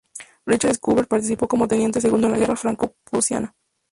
Richard Schubert participó como teniente segundo en la Guerra franco-prusiana.